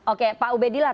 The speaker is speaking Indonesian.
oke pak ubedillah